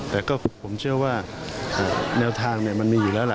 แต่ก็ผมเชื่อว่าแนวทางมันมีอยู่แล้วล่ะ